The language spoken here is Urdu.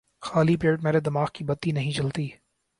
خالی پیٹ میرے دماغ کی بتی نہیں جلتی